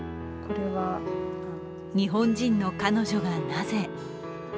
日本人の彼女がなぜ。